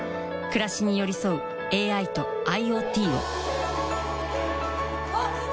暮らしに寄り添うＡＩとＩｏＴをわぁ！